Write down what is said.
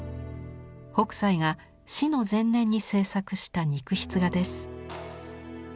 北斎が死の前年に制作した肉筆画です。